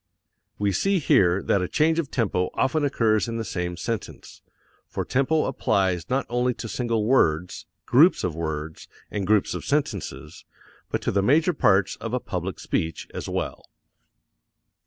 We see here that a change of tempo often occurs in the same sentence for tempo applies not only to single words, groups of words, and groups of sentences, but to the major parts of a public speech as well.